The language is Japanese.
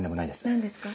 何ですか？